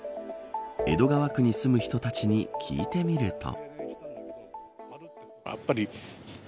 江戸川区に住む人たちに聞いてみると。